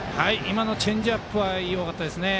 チェンジアップがよかったですね。